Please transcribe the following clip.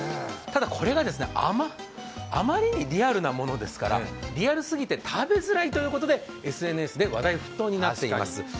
ただ、これがあまりにリアルなものですからリアルすぎて食べづらいということでＳＮＳで話題沸騰になっています。